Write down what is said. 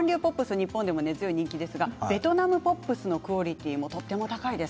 日本でも根強く人気ですがベトナムポップスのクオリティーも高いです。